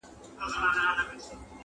• چي یې ځان وي قربان کړی هغه هېر وي -